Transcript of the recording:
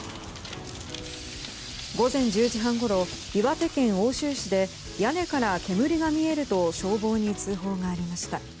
午前１０時半ごろ岩手県奥州市で屋根から煙が見えると消防に通報がありました。